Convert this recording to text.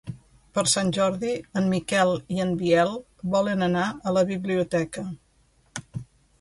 Per Sant Jordi en Miquel i en Biel volen anar a la biblioteca.